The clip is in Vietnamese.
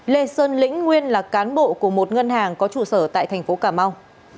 lê sơn lĩnh nguyên là cán bộ của một ngân hàng có trụ sở tại thành phố cà mau